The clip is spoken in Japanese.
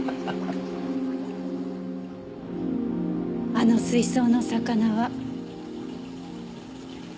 あの水槽の魚は。